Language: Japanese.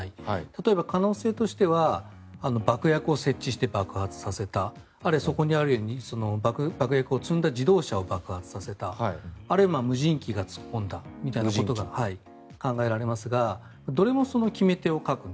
例えば可能性としては爆薬を設置して爆発させたそこに爆薬を積んだ車を爆発させたあるいは無人機が突っ込んだみたいなことが考えられますがなぜですか？